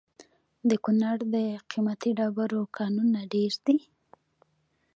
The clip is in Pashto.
د کونړ د قیمتي ډبرو کانونه ډیر دي؟